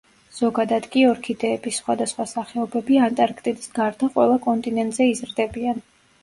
ზოგადად კი ორქიდეების სხვადასხვა სახეობები ანტარქტიდის გარდა ყველა კონტინენტზე იზრდებიან.